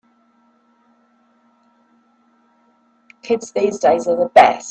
Kids these days are the best.